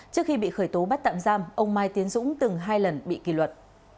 trước khi bị khởi tố bắt tạm giam ông mai tiến dũng từng hai lần bị kỳ luật